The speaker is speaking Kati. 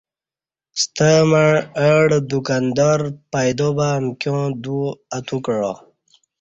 ستمع اہ ڈہ دکاندار پیدابہ امکیاں دو اتوکعہ